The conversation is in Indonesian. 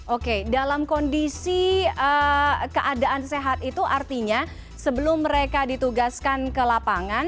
oke dalam kondisi keadaan sehat itu artinya sebelum mereka ditugaskan ke lapangan